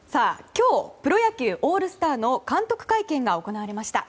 今日、プロ野球オールスターの監督会見が行われました。